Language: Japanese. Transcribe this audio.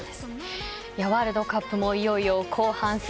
ワールドカップもいよいよ後半戦。